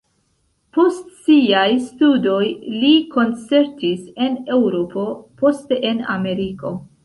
Post siaj studoj li koncertis en Eŭropo, poste en Ameriko.